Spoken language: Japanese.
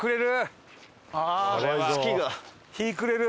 日暮れる。